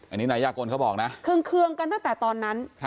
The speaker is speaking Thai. อันนี้นายยากลเขาบอกนะเคืองกันตั้งแต่ตอนนั้น